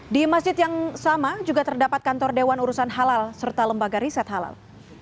di masjid yang sama juga terdapat kantor dewan urusan halal serta lembaga riset halal